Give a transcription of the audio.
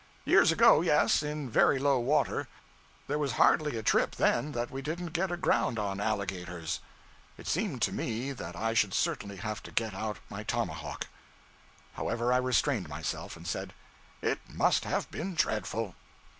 'Years ago, yes, in very low water; there was hardly a trip, then, that we didn't get aground on alligators.' It seemed to me that I should certainly have to get out my tomahawk. However, I restrained myself and said 'It must have been dreadful.'